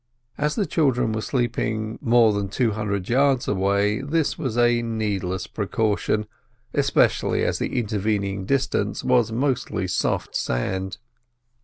As the children were sleeping more than two hundred yards away, this was a needless precaution—especially as the intervening distance was mostly soft sand.